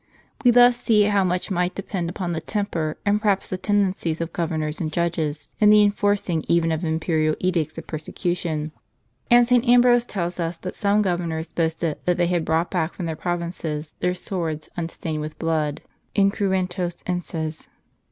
We thus see how much might depend upon the temper, and perhaps the tendencies, of governors and judges, in the enforcing even of imperial edicts of persecution. And St. Ambrose tells us that some governors boasted that they had brought back from their provinces their swords unstained with blood [incruenfos enses).